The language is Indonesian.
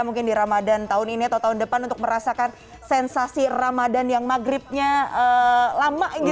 mungkin di ramadan tahun ini atau tahun depan untuk merasakan sensasi ramadan yang maghribnya lama gitu